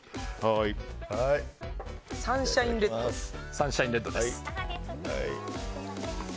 サンシャインレッドです。